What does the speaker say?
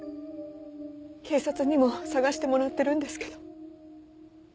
警察にも捜してもらってるんですけど。